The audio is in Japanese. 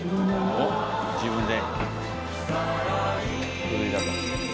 おっ自分で。